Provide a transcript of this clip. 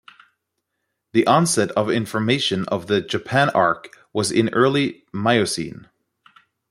The onset of formation of the Japan Arc was in Early Miocene.